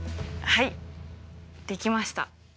はいできました。